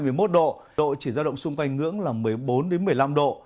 nhiệt độ chỉ giao động xung quanh ngưỡng là một mươi bốn đến một mươi năm độ